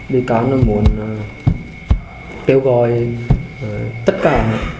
bị cán muốn kêu gọi tất cả